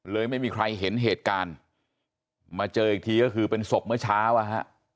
ไม่มีใครเห็นเหตุการณ์มาเจออีกทีก็คือเป็นศพเมื่อเช้าอ่ะฮะ